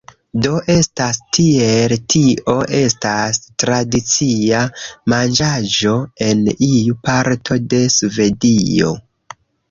Do, estas tiel, tio estas tradicia manĝaĵo en iu parto de Svedio